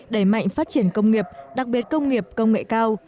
đẩy mạnh phát triển công nghiệp đặc biệt công nghiệp công nghệ cao